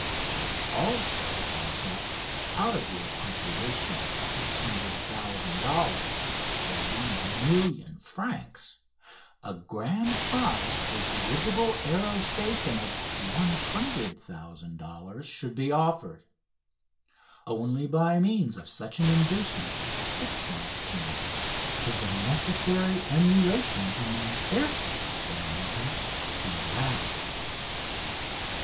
I also thought that, out of the appropriation of 200,000 dollars (1,000,000 francs), a grand prize for dirigible aerostation of 100,000 dollars should be offered; only by means of such an inducement, it seemed to me, could the necessary emulation among air ship experimenters be aroused.